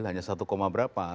hanya satu berapa